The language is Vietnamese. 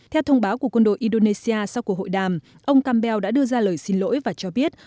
theo thông báo của quân đội indonesia sau cuộc hội đàm ông kambell đã đưa ra lời xin lỗi và cho biết